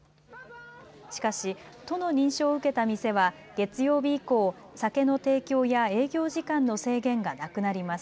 しかし都の認証を受けた店は月曜日以降、酒の提供や営業時間の制限がなくなります。